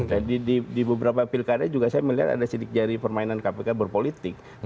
jadi di beberapa pilkarnya juga saya melihat ada sidik jari permainan kpk berpolitik